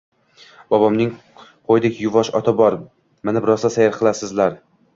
Bobomning qoʼydek yuvosh oti bor, minib rosa sayr qilasizlar.